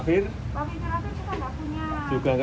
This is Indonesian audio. pavipiravir juga gak punya